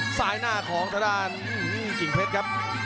สายหน้าของภัดรัฐกิ่งเพชรครับ